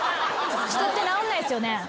人って直んないですよね？